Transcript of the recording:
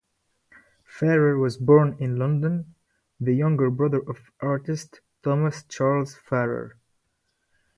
Farrer was born in London, the younger brother of artist Thomas Charles Farrer.